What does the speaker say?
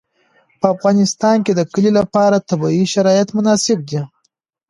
په افغانستان کې د کلي لپاره طبیعي شرایط مناسب دي.